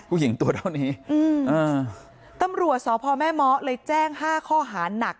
ผู้หญิงตัวเท่านี้อืมอ่าตำรวจสอบพ่อแม่ม้อเลยแจ้ง๕ข้อหาหนัก